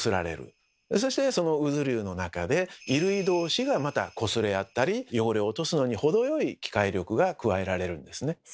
そしてその渦流の中で衣類どうしがまたこすれ合ったり汚れを落とすのに程よい機械力が加えられるんですね。